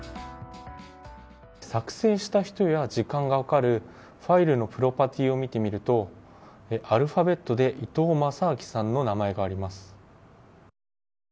作成した人や時間が分かるファイルのプロパティを見てみるとアルファベットで伊東正明さんの名前があります。